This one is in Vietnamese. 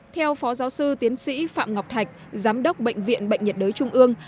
theo phó giáo sư tiến sĩ phạm ngọc thạch giám đốc bệnh viện bệnh nhiệt đới trung ương